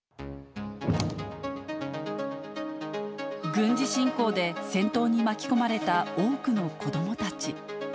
軍事侵攻で戦闘に巻き込まれた多くの子どもたち。